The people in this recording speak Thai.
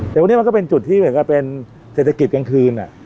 แต่วันนี้มันก็เป็นจุดที่เหมือนกับเป็นเศรษฐกิจกลางคืน